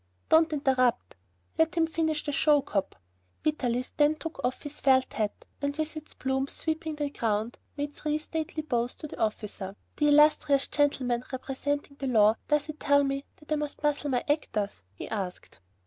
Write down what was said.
"Don't interrupt!" "Let him finish the show, cop!" Vitalis then took off his felt hat, and with his plumes sweeping the ground, he made three stately bows to the officer. "The illustrious gentleman representing the law, does he tell me that I must muzzle my actors?" he asked.